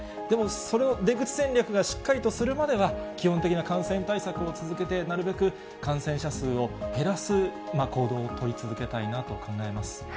でも、それを出口戦略がしっかりとするまでは、基本的な感染対策を続けて、なるべく感染者数を減らす行動を取り続けたいなと考えます。